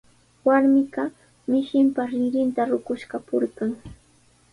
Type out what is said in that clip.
Warmiqa mishinpa rinrinta ruquskapurqan.